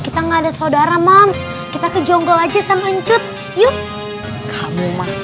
kita enggak ada saudara mams kita ke jongo aja sama cut yuk kamu